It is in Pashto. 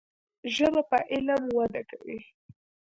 ژبه په علم وده کوي.